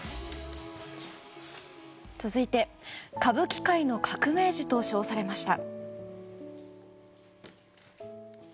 続いて、歌舞伎界の革命児と称されました。